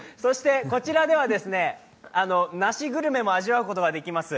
こちらでは梨グルメも味わうことができます。